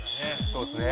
「そうですね」